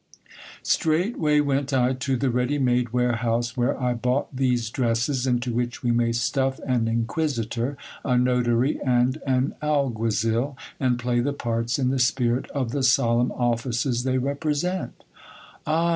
Straightway went I to the ready made ware house, where I bought these dresses, into which we may stuff an inquisitor, a notary, and an alguazd, and play the parts in the spirit of the solemn offices they represent Ah